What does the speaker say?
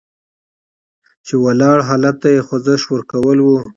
چې ولاړ حالت ته یې خوځښت ورکول وو.